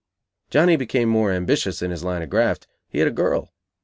Johnny became more ambitious in his line of graft; he had a girl!